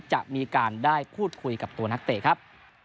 จะมีการได้พูดคุยกับตัวนักเตะครับ